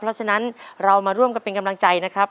เพราะฉะนั้นเรามาร่วมกันเป็นกำลังใจนะครับ